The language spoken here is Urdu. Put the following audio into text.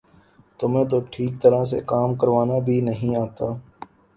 تمہیں تو ٹھیک طرح سے کام کروانا بھی نہیں آتا